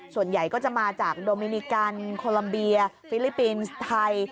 ส่วนใหญ่ก็จะมาจากโดมินิกันโคลัมเบียฟิลิปปินส์ไทย